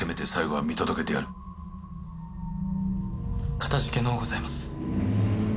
かたじけのうございます。